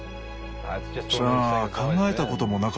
さあ考えたこともなかったな。